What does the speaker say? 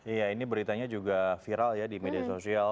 iya ini beritanya juga viral ya di media sosial